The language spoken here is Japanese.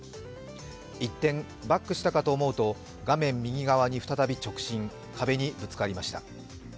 一転、バックしたかと思うと画面右側に再び直進、壁にぶつかりました。